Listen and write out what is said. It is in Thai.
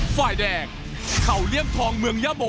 ฝ่ายแดงเข่าเลี่ยมทองเมืองยาโบ